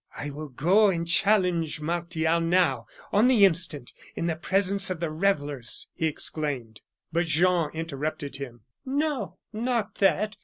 "I will go and challenge Martial now, on the instant, in the presence of the revellers," he exclaimed. But Jean interrupted him. "No, not that!